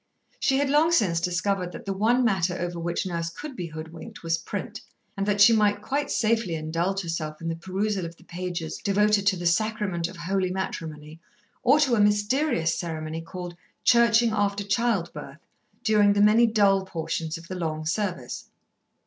She had long since discovered that the one matter over which Nurse could be hoodwinked was print, and that she might quite safely indulge herself in the perusal of the pages devoted to the Sacrament of Holy Matrimony, or to a mysterious ceremony called Churching after Child birth, during the many dull portions of the long service.